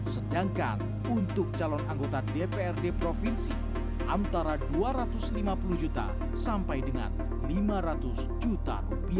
sedangkan untuk calon anggota dprd provinsi antara dua ratus lima puluh juta sampai dengan lima ratus juta rupiah